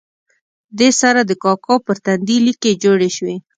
دې سره د کاکا پر تندي لیکې جوړې شوې.